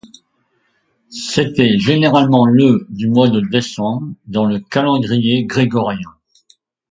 C'était généralement le du mois de décembre dans le calendrier grégorien.